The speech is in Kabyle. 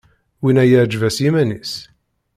Winna iεǧeb-as yiman-is!